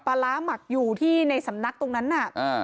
ปลาร้าหมักอยู่ที่ในสำนักตรงนั้นน่ะอ่า